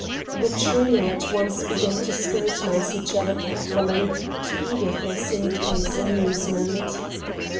The trio at once began to scrutinize each other carefully, to Edith's intense amusement.